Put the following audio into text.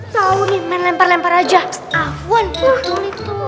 nah jangan bawa bawa dong